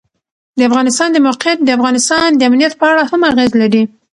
د افغانستان د موقعیت د افغانستان د امنیت په اړه هم اغېز لري.